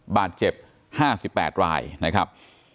บาดเจ็บ๕๘รายนะครับ